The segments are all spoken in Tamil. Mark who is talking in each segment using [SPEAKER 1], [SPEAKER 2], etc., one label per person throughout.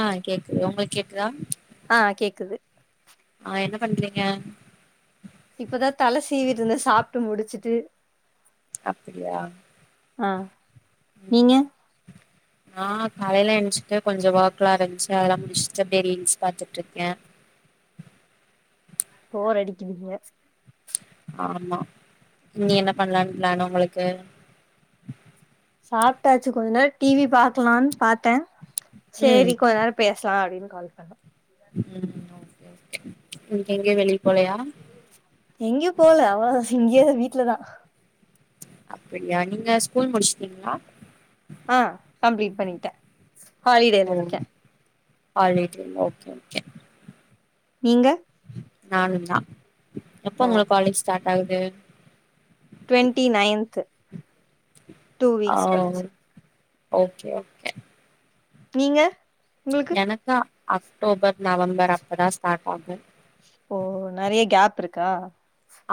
[SPEAKER 1] ஆஹ் கேக்குது உங்களுக்கு கேக்குதா
[SPEAKER 2] ஆ கேக்குது
[SPEAKER 1] ஆ என்ன பண்றீங்க
[SPEAKER 2] இப்பதான் தலை சீவிட்டு இருந்தேன் சாப்பிட்டு முடிச்சுட்டு
[SPEAKER 1] அப்படியா
[SPEAKER 2] ஆ நீங்க
[SPEAKER 1] நான் காலையில என்சிட்டு கொஞ்சம் [inaudible] அதெல்ல முடிச்சுட்டு அப்படியே ரீல்ஸ் பாத்துட்டு இருக்கேன்
[SPEAKER 2] போர் அடிக்குங்க
[SPEAKER 1] ஆமா நீ என்ன பண்ணலாம் பணும் உங்களுக்கு
[SPEAKER 2] சாப்பிட்டாச்சு கொஞ்ச நேரம் டிவி பாக்கலாம்னு பாார்த்தேன்
[SPEAKER 1] ம்
[SPEAKER 2] சரி கொஞ்ச நேரம் பேசலாம் அப்படின்னு கால் சொண்ணா
[SPEAKER 1] உம் கே இன்க்கு எங்க வெளிய போலயா
[SPEAKER 2] எங்கயோ போல அவ எங்கயோ வீட்டுலதான்
[SPEAKER 1] அப்படியா நீங்க ஸ்கூல் முடிச்சட்டீங்களா
[SPEAKER 2] ஆஹ் கம்ப்ளீட் பண்ணிட்டேன் ஹாலிடேல இருக்கேன்
[SPEAKER 1] ஆ ஓகே
[SPEAKER 2] நீங்க
[SPEAKER 1] நானு தான் எப்ப
[SPEAKER 2] ஓ
[SPEAKER 1] உங்களுக்கு காலேஜ் ஸ்டார்ட் ஆகுது
[SPEAKER 2] டவெண்ட்டி நைன்த டூ
[SPEAKER 1] ஓ
[SPEAKER 2] வீக்ஸ் கழிச்சு
[SPEAKER 1] ஓகே ஓகே
[SPEAKER 2] நீங்க உங்களுக்கு
[SPEAKER 1] எனக்கு அக்டோபர் நவம்பர் அப்பதான் ஸ்டார்ட் ஆகும்
[SPEAKER 2] ஓ நிறைய கேப் இருக்கா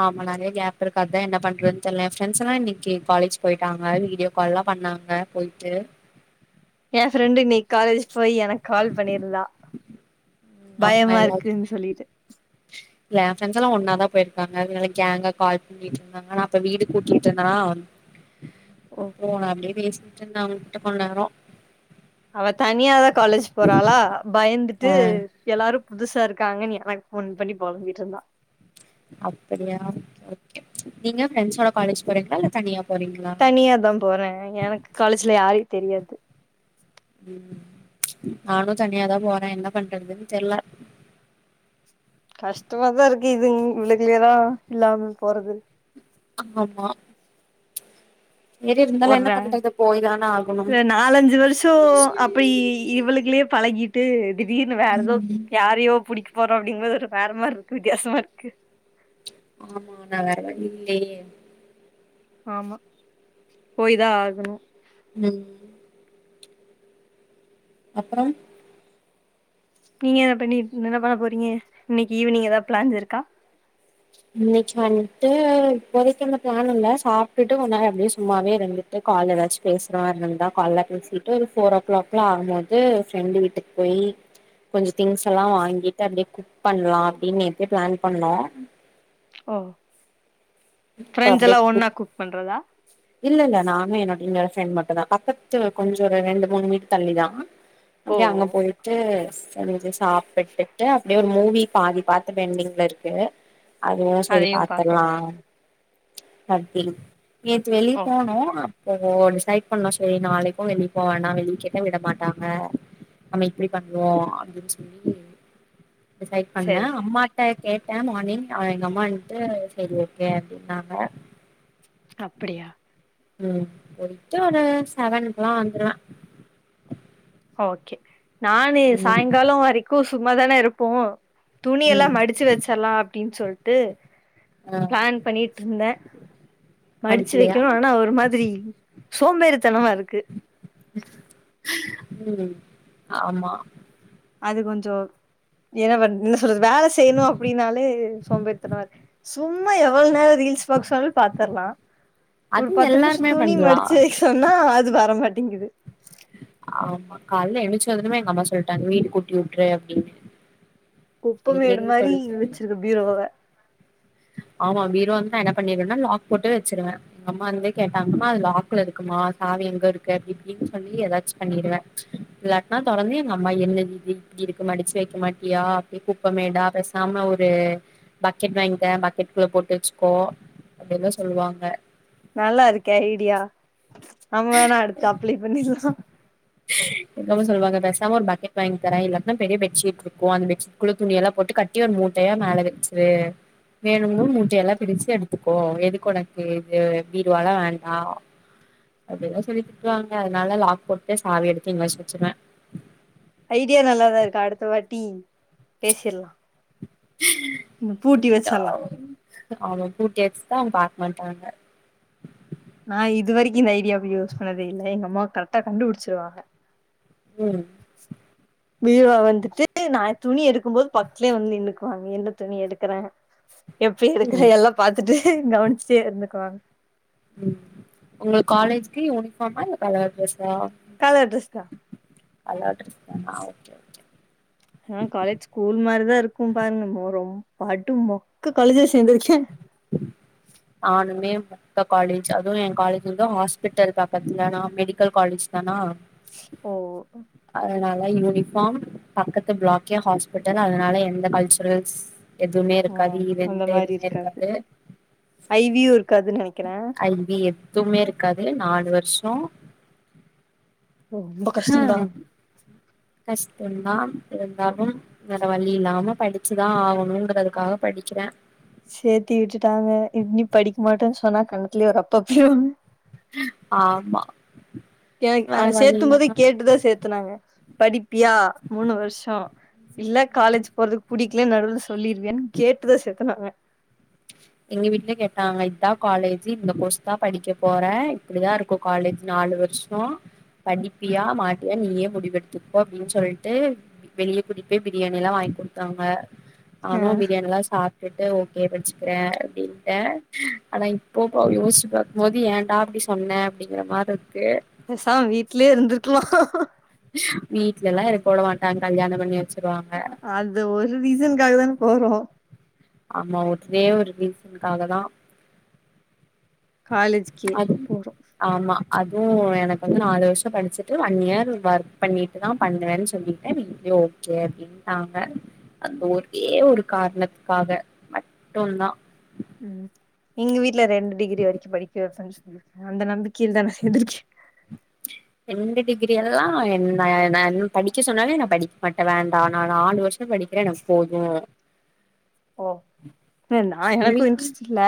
[SPEAKER 1] ஆமா நைய கேப் இருக்காதுான் என்ன பண்றதுன்ன தெரிய ரெண்ட் எல்லாம் இன்னைக்கு காலேஜ் போயிட்டாங்க வீடியோ கால் எல்லாம் நாங்க போயிட்டுு
[SPEAKER 2] என் ஃப்ரெண்டு இ நீ காலேஜ் போய் எனக்கு கால் பண்ணிருந்தா
[SPEAKER 1] ஆ ஃரஸ் எல்லாம் ஒன்னாதான் போயிருக்காங்க அதனால கேங்கா கால் பண்ணிட்டு இருந்தாங்க ஆனா அப்ப வீடு கூட்டிட்டு இருந்தேனா
[SPEAKER 2] ஓ
[SPEAKER 1] அம் அப்படியே பேசினட்டு இருந்தா அவங்கிட்ட கொஞ்ச நேரம்
[SPEAKER 2] அவ தனியாதான் காலேஜ் போறாளா
[SPEAKER 1] ஆ
[SPEAKER 2] பயந்துட்டு எல்லாரும் புதுசா இருக்காங்கன்னு எனக்கு போன் பண்ணி போதும் வீட்டு இருந்தான்
[SPEAKER 1] அப்படியா கே நீங்க ரெண்ட்ஸோட காலேஜ் போறீங்களா இல்ல தனியா போறீங்களா
[SPEAKER 2] தனியா தான் போறேன் எனக்கு காலேஜ்ல யாாரையும் தெரியாது
[SPEAKER 1] ம் நானு தனியாதா போறே என்ன பண்றதுன்னு தெர்ல
[SPEAKER 2] கஷ்டமாதான் இருக்கு இது இக்கலயதான் இல்லாமே போறது
[SPEAKER 1] ஆமா இருந்தும் என்ன பண்ண இது போயதான்
[SPEAKER 2] இ நாலஞ்சு வருஷம் அப்படி இவளுக்குலயே பழகிட்டு திடீர்னு வேற ஏதோ
[SPEAKER 1] ம்
[SPEAKER 2] யாரையோ பிடிக்க போறோம் அப்படிங்கபது ஒரு வேறமாிர இருக்கு வித்தியாசமா இருக்கு
[SPEAKER 1] ஆமா நான் வேற வழி இல்லைய
[SPEAKER 2] ஆமா போய தான் ஆகணும்
[SPEAKER 1] உம் அப்புறம்
[SPEAKER 2] நீங்க என்த பண்ணி என்ன பண்ண போறீங்க இன்னைக்கு ஈவினிங் ஏதாவது பிளான்ஸ் இருக்கா
[SPEAKER 1] இன்னைக்கு வந்துட்டு போதைக்குன்ன பிளான் இல்ல சாப்பிட்டுட்டு உன்னா அப்படியே சும்மாவே இருந்துட்டு காலைல வச்சு பேசுறவா இரு தான் கால பேசிட்டு ஒரு ஃபோர் ஓ கிளாக்ல ஆகபோது ஃரெண்டு வீட்டுக்கு போய் கொஞ்சம் திங்ஸ் எல்லாம் வாங்கிட்டு அப்படியே குக் பண்ணலாம் அப்படின்னு நத்த பிளான் பண்ணோம்
[SPEAKER 2] ஓ
[SPEAKER 1] இப்ப
[SPEAKER 2] பிரெஞ
[SPEAKER 1] அப்டியே
[SPEAKER 2] எல்லாம் ஒன்னா குக் பண்றதா
[SPEAKER 1] இல்ல இல்ல நானே என்னோட மட்டும் தான் பக்கத்து கொஞ்சம் ஒரு ரெண்டு மூணு மீட் தள்ளிதான் அப்படியே அங்க
[SPEAKER 2] ஓ
[SPEAKER 1] போயிட்டு செஞ்சு சாப்பிட்டுட்டு அப்படியே ஒரு மூவி பாதி பாார்த்து வெண்டிங இருக்கு அதுாம் சரி
[SPEAKER 2] அதையு பாக்கணு
[SPEAKER 1] பத்துிரலாம் அ நேற்று வெளியே
[SPEAKER 2] ஓ
[SPEAKER 1] போனும் ஓ டிசைட் பண்ணா சரி நாளைக்கும் வெளியே போவேன்னா வெளிய கேட்டன் விட மாட்டாங்க நம்ம இப்படி பண்ணுவோம் அப்படின்னு சொல்லி டிசைட் பண்ண
[SPEAKER 2] சரி சரி
[SPEAKER 1] அம்மாிட்ட கே மார்னிங் அவன் எங்க அம்மா வந்துட்டு சரி ஓகே அப்படின்னாங்க
[SPEAKER 2] அப்படியா
[SPEAKER 1] உஹம் போயிட்டு ஒருட செவனுக்குல்லாம் வந்துருவேன்
[SPEAKER 2] ஓக்கே நானு சாய்ங்காலோ வரைக்கு சும்மாாதான இருப்போ. துணியெல்லா
[SPEAKER 1] ம்
[SPEAKER 2] மடிச்சு வச்சர்லா அப்டீன் சொல்ட்டு
[SPEAKER 1] ஆ
[SPEAKER 2] ப்ளான் பண்ணீட்டிருந்த. மடுச்சு
[SPEAKER 1] மணிக்குலயா
[SPEAKER 2] வைக்கணு. ஆனா ஒரு மாதிரி சோம்பேறித்தனமா இருக்கு.
[SPEAKER 1] உம் ஆமா
[SPEAKER 2] அது கொஞ்சோ என்ன வண் றது வேல செய்யணு அப்டீன்னாலே சோம்பேறித்தனமாருக்கு. சும்மா எவ்ளோ நேர ரீல்ஸ் பாக்க சொன்னல் பாத்தர்லா. ஒரு
[SPEAKER 1] அது
[SPEAKER 2] பத்து நிம்ஷோ
[SPEAKER 1] எல்லாருமே
[SPEAKER 2] துணி
[SPEAKER 1] பண்லா
[SPEAKER 2] மடிச்சு வைக் சொன்னா அது வரமாட் டிங்குது.
[SPEAKER 1] ஆமா கால்ல எணிச்சதுமே எங்க அம்மா சொல்லிட்டாங்க வீடு கூட்டி விட்று அப்டீனு
[SPEAKER 2] குப்ப மேடு மாரி வச்சிருக பீரோவ
[SPEAKER 1] ஆமா பீரோந்து நா என்ன பண்ணீருவேனா லாக் போட்டு வச்சிருவ. எங்க அம்மாந்து கேட்டாங்ன்னா அது லாக்ல இருக்குமா மா சாவி எங்க இருக்கு அப்டி இப்டின் சொல்லி ஏதாச்சு பண்ணீருவ இல்லாட்னா தொறந்து எங்க அம்மா என்னதுஇது இப்டி இருக்கு. மடிச்சு வைக்க மாட்டியா அப்டி குப்பமேடா பேசாம ஒரு பக்கெட் வாங்கி க பக்கெட்க்குள்ள போட்டு வச்சுக்கோ அப்டின்தா சொல்லுவாங்க.
[SPEAKER 2] நல்லா இருக்கே ஐடியா. நம் வேணா அடுசத்து அப்ளை பண்ணிர்லா.
[SPEAKER 1] இருந்தாலு சொல்வாங்க பேசாம ஒரு பக்கெட் வாங்கி தர இல்லாட்னா பெரிய பெட்ஷீட் விக்கூ. அந்த பெட்ஷீட்குல்ல துணியெல்லா போட்டு கட்டி ஒரு மூ ட்டயா மேல வெச்ரூ வேணுங்போ மூட்ட எல்லா பிரிச்சு எடுத்துக்கோ. எதுக்கொனக்கு இது பீர்வாலா வேண்டா. அப்டில்லா சொல்லி திட்டுவாங்க. அதுனால லாக் போட்டு சாவி எடுத்து எங்காச்சு வச்சுருவ.
[SPEAKER 2] ஐடியா நல்லாதா இருக்கு அடுத்த வாட்டி பேசிர்லா. பூட்டி
[SPEAKER 1] [unintelligible]
[SPEAKER 2] வச்சர்லா
[SPEAKER 1] தான் ப மாட்டாங்க.
[SPEAKER 2] நா இது வரைக்கு இந்த ஐடியாவ யூஸ் பண்ணதே இல்ல. எங்க அம்மா கரெக்டா கண்டுபுடிச்சுருவாங்க.
[SPEAKER 1] உம்
[SPEAKER 2] பீர்வா வந்துட்டு நா துணி எடுக்கும் போது பக்த்லயே வந்து நின்னுக்குவாங்க. என்ன துணி எடுக்கற எப்டி எடுக்கற
[SPEAKER 1] ம்
[SPEAKER 2] எல்லா பாத்துட்டு கவனிச்ட்டே இருந்துக்குவாங்க.
[SPEAKER 1] உங்களுக் காலேஜ்க்கு யூனிஃபார்மா இல்ல கலர் ட்ரெஸா?
[SPEAKER 2] கலர் ட்ரெஸ்தா
[SPEAKER 1] கலர் ட்ரெஸ்தானா ஒக்கே ஒக்கே.
[SPEAKER 2] ஆனா காலேஜ் ஸ்கூல் மாரிதா இருக்கு பாருங்கமோ ரொம்ப படு மொக்க காலேஜ்வ சேந்திருக்க.
[SPEAKER 1] ஆனுமே மொக்க காலேஜ் அதுவு என் காலேஜ் வந்து ஹாஸ்பிட்டல் பக்கத்துல நா மெடிக்கல் காலேஜ் தானா
[SPEAKER 2] ஓ
[SPEAKER 1] ல யூனிஃபார்ம் பக்கத்து பிளாக்கே ஹாஸ்பிட்டல் அதனால எந்த கல்ச்சுரல்ஸ் எதுமே இர்க்காது ஈவண்டு எதுமே இர்க்கா
[SPEAKER 2] ஐவியூர்
[SPEAKER 1] ஐவி எதுமே இருக்காது. நாலு வர்ஷோ
[SPEAKER 2] ஓ ரொம்ப கஷ்டந்தா
[SPEAKER 1] கஷ்டந்தா இருந்தாலும் வேற வழி இல்லாம படிச்சுதா ஆகணுன்றதுக்காக படி படிக்கிற.
[SPEAKER 2] சேத்தி விட்டுட்டாங்க இன்னி படிக் மாட்டோன்னு சொன்னா கன்னத்துலயே ஒரு அப்பப்பீருவாங்.
[SPEAKER 1] ஆமா
[SPEAKER 2] என அ
[SPEAKER 1] வேற வழி
[SPEAKER 2] சேர்த்தும்போதே
[SPEAKER 1] இல்லாம
[SPEAKER 2] கேட்டுதா சேத்தனாங்க. படிப்பியா மூணு வர்ஷோ இல்ல காலேஜ் போறதுக் புடிக்கலன் நடுவுல சொல்லிருவியான் கேட்டுதா சேத்தனாங்க.
[SPEAKER 1] எங்க வீட்ல கேட்டாங்க இத்தா காலேஜு இந்த கோர்ஸ்தா படிக்க போற இப்படிதா இருக்கு காலேஜ் நாலு வ ர்ஷோ படிப்பியா மாட்டியா நீயே முடிவெடுத்துக்கோ அப்டின் சொல்ட்டு வெளிய கூட்டிட் போய் பிரியாணி எல்லா வாங் கி குடுத்தாங்க.
[SPEAKER 2] ஆ
[SPEAKER 1] நானூ பிரியாணில்லா சாப்ட்டுட்டு ஓகே ப வுக்கிறேன் அப்டின்ட ஆனா இப்போ யோசிச்சு பாக்கும்போது ஏன்டா அப்டி சொன்ன அப்டிங்கற மாருக்கு
[SPEAKER 2] பேசமா வீட்லயே இருந்துர்க்லா
[SPEAKER 1] வீட்லல்லா இருக்க வுடமாட்ட கல்யாணம் பண்ணி வெச்சு
[SPEAKER 2] அந்த ஒரு ரீசனுக்காக தான போறோ
[SPEAKER 1] ஆமா ஒரே ஒரு ரீசனுக்காக தா
[SPEAKER 2] காலேஜ்கே
[SPEAKER 1] அது
[SPEAKER 2] போறோ
[SPEAKER 1] ஆமா அதுவு எனக்கு வந்து நாலு வர்சொ படிச்சுட்டு ஒன் இயர் ஒர்க் பண்ணிட்டு தா பண்ணுவேன்னு சொல்லிட்ட வீட் ஓகே அப்டின்டாங்க அந்த ஒரே ஒரு காரணத்து காக மட்டுந்தா
[SPEAKER 2] ம் எங்க வீட்டுல ரெண்டு டிகிரி வரைக்கு படிக்க வெப்பன் சொல்லிருக் அந்த நம்பிக்கைல தா நா [unintelligible]
[SPEAKER 1] ரெண்டு டிகிரி எல்லா என்ன படிக்க சொன்னாலே நா படிக்க மாட்ட வேண்டா நா நாலு வருசொ படிக் எனக் போது
[SPEAKER 2] ஓ நா
[SPEAKER 1] எங்க
[SPEAKER 2] எனக்கு
[SPEAKER 1] வீட்ல
[SPEAKER 2] இன்ட்ரெஸ்ட் இல்ல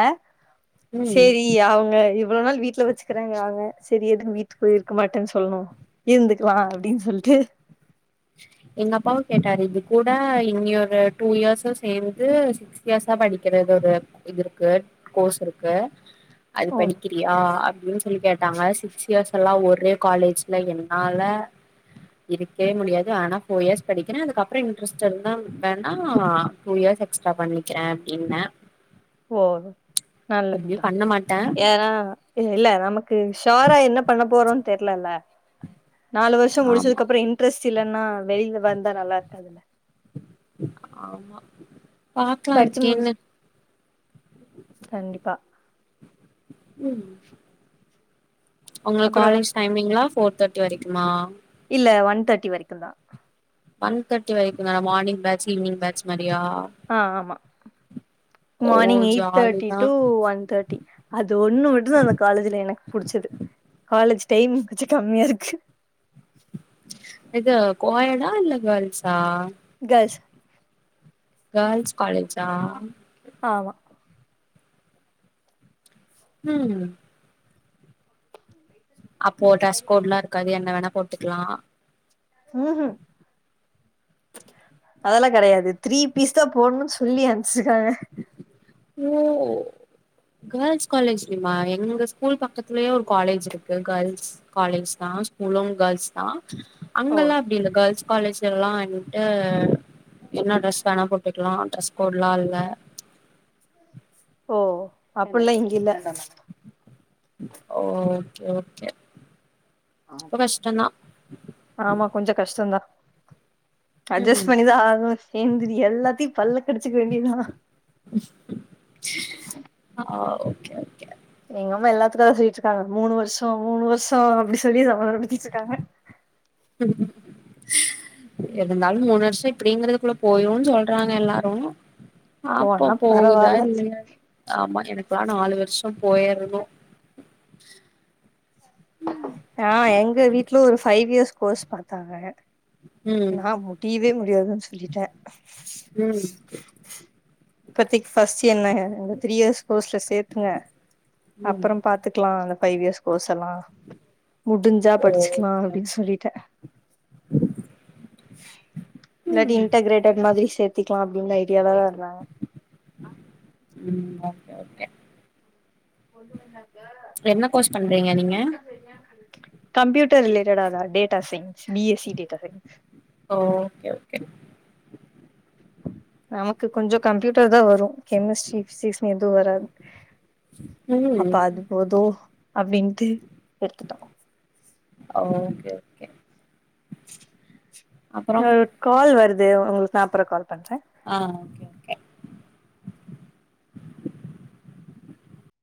[SPEAKER 1] ம்
[SPEAKER 2] சேரி அவங்க இவ்ளோ நாள் வீட்ல வெச்சுக்குறாங்க [unintelligible] செரி எதுவு வீட்டு போய் இருக்க மாட்டேன்னு சொல்லணு இருந்துக்லா அப்டின்னு சொல்டு
[SPEAKER 1] எங்க அப்பாவு கேட்டாரு இது கூட இன்னியொரு ஒரு டூ இயர்ஸும் சேந்து சிக்ஸ் இயர்சா படிக்கறது ஒரு இது இருக்கு கோர்ஸ் இருக்கு அது
[SPEAKER 2] ஓ
[SPEAKER 1] படிக்கிறியா அப்டின்னு சொல்லி கேட்ட டாங்க சிக்ஸ் இயர்ஸ் எல்லா ஒரே காலேஜ்ல என்னால இருக்கவே முடியா து ஆனா போர் இயர்ஸ் படிக்கிற அதுக்கப்ரொ இன்டரஸ்ட் இருந்தா வேணா டூ இயர் எக்ஸ்ட்ரா பண்ணிக்கிற என்ன
[SPEAKER 2] ஓ நல்லதுதா
[SPEAKER 1] பண்ண மாட்டே
[SPEAKER 2] ஏன்னா இல்ல நமக்கு ஷ்யாரா என்ன பண்ண போறோ தெர்லல நாலு வருசொ
[SPEAKER 1] ஆமா
[SPEAKER 2] முடிச்சதுக்கப்ரோ இன்ட்ரெஸ்ட் சிலன்னா வெளியில வந்தா நல்லா இருக்காதுல
[SPEAKER 1] ஆமா பாக்லா
[SPEAKER 2] படிச்சு
[SPEAKER 1] எப்டீன்னு
[SPEAKER 2] முடிச்சு கண்டிப்பா
[SPEAKER 1] ம் உங்க
[SPEAKER 2] அப்புறோ
[SPEAKER 1] காலேஜ் டைமிங்லா போர் தேர்டி வரைக்குமா
[SPEAKER 2] இல்ல ஒன் தேர்டி வரைக்குந்தா
[SPEAKER 1] ஒன் தேர்டி வரைக்குந்தா மார்னிங் பேட்ச் ஈவினிங் பேட்ச மாரியா
[SPEAKER 2] ஆ ஆமா
[SPEAKER 1] ஓ
[SPEAKER 2] மார்னிங் எயிட் தேர்ட்டி
[SPEAKER 1] ஜாலிதா
[SPEAKER 2] டூ ஒன் தேர்ட்டி அது ஒண்ணு மட்டு தா அந்த காலேஜ்ல எனக்கு புடிச்சது காலேஜ் டைம் கொஞ்ச கம்மியா இருக்கு
[SPEAKER 1] இது கோயடா இல்ல கேல்ஷா
[SPEAKER 2] கேல்ஸ்
[SPEAKER 1] கேர்ள்ஸ் காலேஜா
[SPEAKER 2] ஆமா
[SPEAKER 1] ம் அப்போ ட்ரெஸ் கோட்லா இருக்காது என்ன வேணா போட்டுக்லா
[SPEAKER 2] ம்ஹும் அதெல்லா கெடையாது த்ரீ பீஸ் தான் போடணுன்னு சொல்லி அனுப்ச்சிருக்காங்க
[SPEAKER 1] ஓ கேர்ள்ஸ் காலேஜ் லியுமா எங்க ஸ்கூல் பக்கத்திலயே ஒரு காலேஜ் இருக்கு கேர்ள்ஸ் காலேஜ் தா ஸ்கூலு கேர்ள்ஸ் தா
[SPEAKER 2] ஓ
[SPEAKER 1] அங்கல்லா அப்டி இல்ல கேர்ள்ஸ் காலேஜ் ல எல்லா வந்துட்டு என்ன ட்ரெஸ் வேணா போட்டுக்லா ட்ரெஸ் கோட்லா இல்ல
[SPEAKER 2] ஓ அப்புட்லா இங்க இல்ல
[SPEAKER 1] ஓ ஓகே ஓகே ரொம்ப கஷ்டந்தா
[SPEAKER 2] ஆமா கொஞ்சம் கஷ்டம்தான் அட்ஜஸ்ட்
[SPEAKER 1] ம்
[SPEAKER 2] பண்ணிதான் ஆகும் சேர்ந்திரி எல்லாத்தையும் பல்ல கிடிச்சக்க வேண்டியதுதான்
[SPEAKER 1] ஆஹ ஓகே ஓகே
[SPEAKER 2] எங்கம்மா எல்லாத்துக்கும் அதான் சொல்லிட்டு இருக்காங்க மூணு வருஷம் மூணு வருஷம் அப்படி சொல்லி சமாதானம் படுத்திட்டு இருக்காங்க [inaudible]
[SPEAKER 1] [unintelligible] இருந்தாலும் மூணு வருஷம் இப்படிங்கிறதுக்குள்ள போய்ரும்ன்னு சொல்றாங்க எல்லாரும் பாப்போ
[SPEAKER 2] போனா
[SPEAKER 1] போகுதா
[SPEAKER 2] பரவால்ல
[SPEAKER 1] இல்லயானு ஆமா எனக்குல்லாம் நாளு வருஷம் போயிருக்கும்
[SPEAKER 2] ஆஹ் எங்க வீட்ல ஒரு ஃபைவ் இயர்ஸ் கோர்ஸ் பாத்தாங்க
[SPEAKER 1] ம்
[SPEAKER 2] நான் முடியவே முடியாதுன்னு சொல்லிட்டேன்
[SPEAKER 1] உம்
[SPEAKER 2] இப்பத்திக்கு ஃபர்ஸ்ட் என்ன த்ரீ இயர்ஸ் கோர்ஸ்ல சேத்துங்க
[SPEAKER 1] ம்
[SPEAKER 2] அப்புறம் பாத்துக்கலாம் அந்த ஃபைவ் இயர்ஸ் கோர்ஸ் எல்லாம் முடிஞ்சா படிச்சுக்கலாம்
[SPEAKER 1] ஓகே
[SPEAKER 2] அப்படின்னு சொல்லிட்டேன்
[SPEAKER 1] ஓகே
[SPEAKER 2] இல்லாட்டி இன்டகிரேடட் மாதிரி சேத்திக்கலாம் அப்டினு ஐடியால த
[SPEAKER 1] உம் ஓகே ஓகே
[SPEAKER 2] கொண்டு வந்தாங்க
[SPEAKER 1] என்ன கோர்ஸ் பண்றீங்க நீங்க
[SPEAKER 2] ஸ்றிங் அண்டு கம்ப்யூட்டர் ரிலேட்டடா தான் data science BSc data science
[SPEAKER 1] ஓ ஓகே ஓகே
[SPEAKER 2] நமக்கு கொஞ்சம் கம்ப்யூட்டர் தான் வரும் கெமிஸ்ட்ரி பிசிக்ஸ் எதுவு வராது அப்ப
[SPEAKER 1] ம்
[SPEAKER 2] அது போதும் அப்டின்ட்டு எடுத்துட்டோம்
[SPEAKER 1] ஓகே ஓகே அப்புறம்
[SPEAKER 2] கால் வருது உங்களுக்கு நா அப்புற கால் பன்ற
[SPEAKER 1] ஆஹ் ஓகே ஓகே